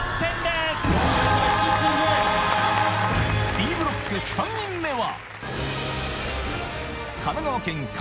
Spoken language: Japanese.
Ｄブロック３人目は？